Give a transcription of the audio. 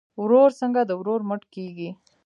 ورور څنګه د ورور مټ کیږي؟